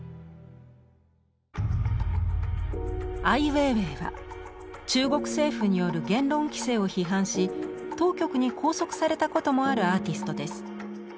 アイウェイウェイは中国政府による言論規制を批判し当局に拘束されたこともあるアーティストです。